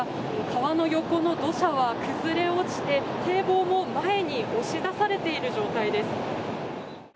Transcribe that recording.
川の横の土砂は崩れ落ちて堤防も前に押し出されている状態です。